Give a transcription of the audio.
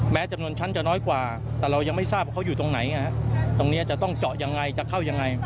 จำนวนชั้นจะน้อยกว่าแต่เรายังไม่ทราบว่าเขาอยู่ตรงไหนตรงนี้จะต้องเจาะยังไงจะเข้ายังไง